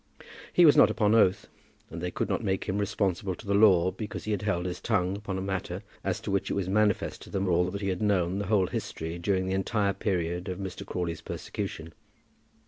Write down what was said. He was not upon oath, and they could not make him responsible to the law because he had held his tongue upon a matter as to which it was manifest to them all that he had known the whole history during the entire period of Mr. Crawley's persecution.